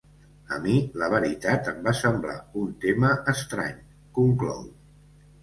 A mi, la veritat, em va semblar un tema estrany, conclou.